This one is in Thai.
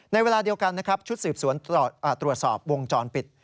ในเวลาเดียวกันชุดสืบสวนตรวจสอบวงจรปิด